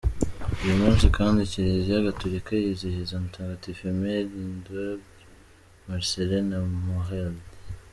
Uyu munsi kandi Kiliziya Gatolika yizihiza Mutagatifu Aimé, Lidoire, Marcellin na Maurille.